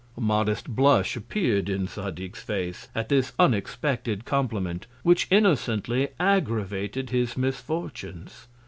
A modest Blush appear'd in Zadig's Face at this unexpected Compliment, which innocently aggravated his Misfortunes.